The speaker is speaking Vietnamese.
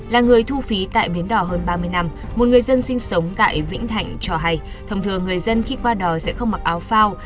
là người thu phí tại bến đỏ hơn ba mươi năm một người dân sinh sống tại vĩnh thạnh cho hay thông thường người dân khi qua đò sẽ không mặc áo phao